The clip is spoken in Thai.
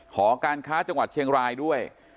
หอการค้าจังหวัดเชียงรายด้วย